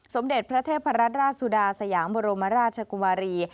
สมเด็จพระเทพรัตนราชสุดาสยามบรมราชกุมารี